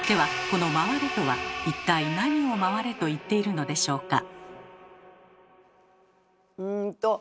この「回れ」とは一体なにを回れと言っているのでしょうか？